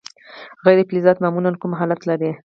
غیر فلزات معمولا کوم حالت لري.